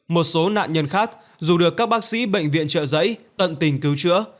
một số nạn nhân khác dù được các bác sĩ bệnh viện trợ giấy tận tình cứu chữa